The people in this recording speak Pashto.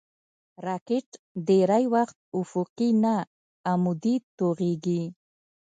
راکټ ډېری وخت افقي نه، عمودي توغېږي